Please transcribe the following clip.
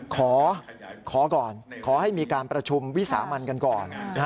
ขอก่อนขอให้มีการประชุมวิสามันกันก่อน